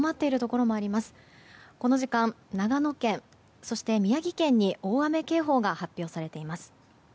この時間、長野県、宮城県に大雨警報が発表されています。